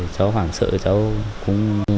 cháu hoảng sợ cháu